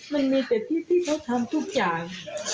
มันมีแต่ที่เขาทำทุกอย่าง